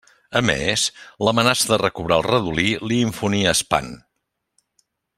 A més, l'amenaça de recobrar el redolí li infonia espant.